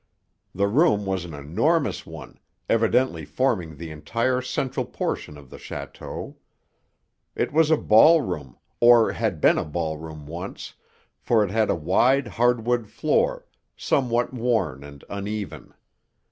The room was an enormous one, evidently forming the entire central portion of the château. It was a ballroom, or had been a ballroom, once, for it had a wide hardwood floor, somewhat worn and uneven.